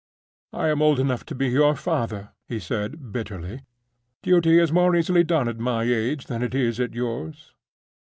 "I am old enough to be your father," he said, bitterly. "Duty is more easily done at my age than it is at yours."